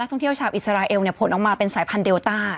ท่องเที่ยวชาวอิสราเอลผลออกมาเป็นสายพันธุเดลต้า